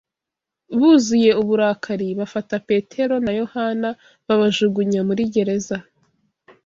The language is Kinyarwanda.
Buzuye uburakari, bafata Petero na Yohana, babajugunya muri Gereza